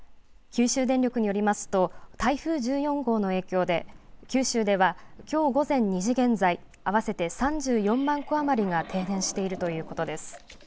九州電力によりますと、台風１４号の影響で九州では、きょう午前２時現在、合わせて３４万戸余りが停電しているということです。